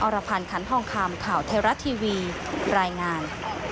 รพันธ์คันทองคำข่าวไทยรัฐทีวีรายงาน